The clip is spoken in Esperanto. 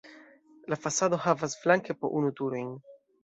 La fasado havas flanke po unu turojn.